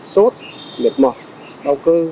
sốt miệt mỏi đau cơ